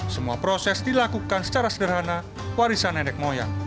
semua proses dilakukan secara sederhana warisan nenek moyang